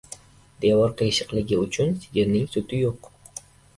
• Devor qiyshiqligi uchun sigirning suti yo‘q.